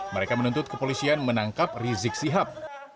mereka menuntut kepolisian menangkap rizik sihab